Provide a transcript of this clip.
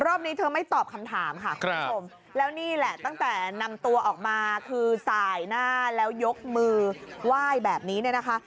รอบนี้เธอไม่ตอบคำถามค่ะคุณผู้ชมแล้วนี่แหละตั้งแต่นำตัวออกมาคือสายหน้าแล้วยกมือไหว้แบบนี้เนี่ยนะคะ